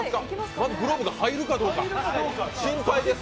まずグローブが入るかどうか心配です。